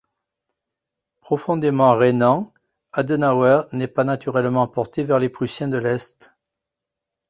Profondément Rhénan, Adenauer n'est pas naturellement porté vers les Prussiens de l'Est.